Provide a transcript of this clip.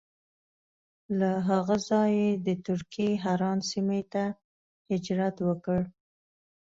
له هغه ځایه یې د ترکیې حران سیمې ته هجرت وکړ.